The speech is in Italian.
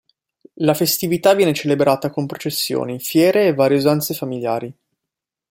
La festività viene celebrata con processioni, fiere e varie usanze familiari.